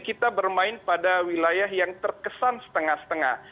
kita bermain pada wilayah yang terkesan setengah setengah